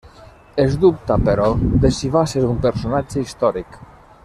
Es dubta però de si va ser un personatge històric.